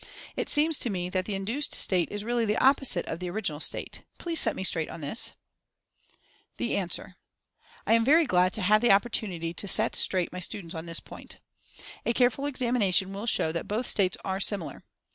It seems to me that the induced state is really the opposite of the original state. Please set me straight on this?" i Rationale of Fascination 51 THE ANSWER. I am very glad to have the opportunity to "set straight" my students on this point. A little careful examination will show that both states are similar.